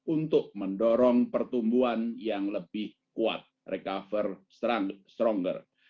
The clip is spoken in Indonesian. untuk mendorong pertumbuhan yang lebih kuat recover stronger